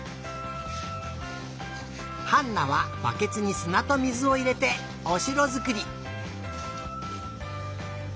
ハンナはバケツにすなと水をいれておしろづくり。